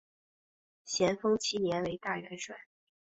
咸丰七年为大元帅。